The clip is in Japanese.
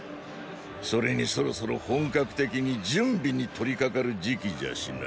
それにそろそろ本格的に準備に取りかかる時期じゃしな。